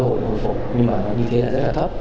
thì có cơ hội hồi phục nhưng mà nó như thế là rất là thấp